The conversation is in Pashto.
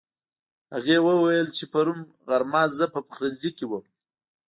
هغې وويل چې پرون غرمه زه په پخلنځي کې وم